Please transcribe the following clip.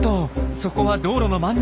そこは道路の真ん中。